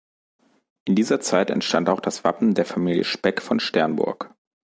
In dieser Zeit entstand auch das Wappen der Familie Speck von Sternburg.